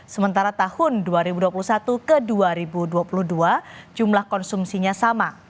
sementara tahun dua ribu dua puluh satu ke dua ribu dua puluh dua jumlah konsumsinya sama